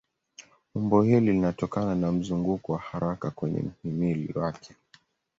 Umbo hili linatokana na mzunguko wa haraka kwenye mhimili wake.